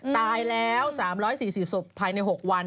ตายแล้ว๓๔๐ศพภายใน๖วัน